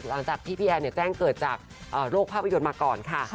หลังจากที่พี่แอนแจ้งเกิดจากโรคภาพยนตร์มาก่อนค่ะ